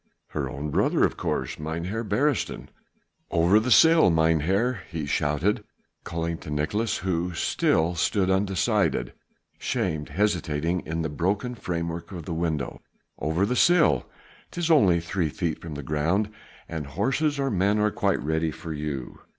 "Her own brother of course, Mynheer Beresteyn. Over the sill, mynheer!" he now shouted, calling to Nicolaes who still stood undecided, shamed, hesitating in the broken framework of the window, "over the sill, 'tis only three feet from the ground, and horses and men are quite ready for you."